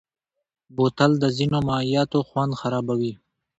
بوتل د ځینو مایعاتو خوند خرابوي.